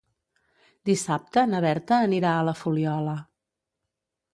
Dissabte na Berta anirà a la Fuliola.